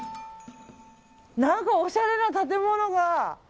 何かおしゃれな建物が。